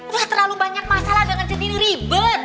wah terlalu banyak masalah dengan sendiri ribet